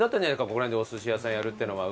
ここら辺でお寿司屋さんやるっていうのは。